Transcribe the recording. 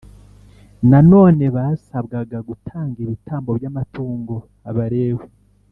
Nanone basabwaga gutanga ibitambo by amatungo Abalewi